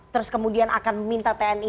terus kemudian akan meminta tni